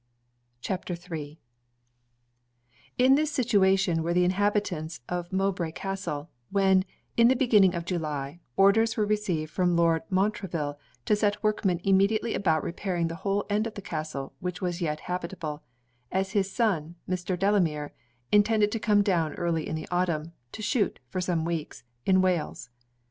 CHAPTER III In this situation were the inhabitants of Mowbray Castle; when, in the beginning of July, orders were received from Lord Montreville to set workmen immediately about repairing the whole end of the castle which was yet habitable; as his son, Mr. Delamere, intended to come down early in the Autumn, to shoot, for some weeks, in Wales.